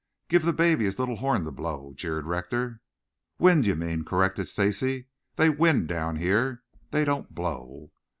"Give the baby his little horn to blow," jeered Rector. "'Wind,' you mean," corrected Stacy. "They wind down here; they don't blow."